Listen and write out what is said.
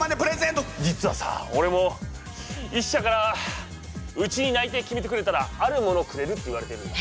実はさおれも１社からうちに内定決めてくれたらあるものをくれるって言われてるんだ。